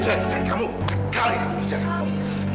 jangan jangan kamu sekali kamu jangan